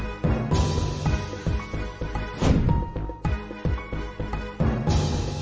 ไอ้ที่บอกว่าไอ้ผู้ประมาณกลิ่นกฎหมาย